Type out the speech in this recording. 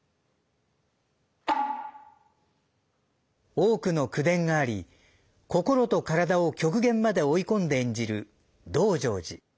多くの口伝があり心と体を極限まで追い込んで演じる「道成寺」。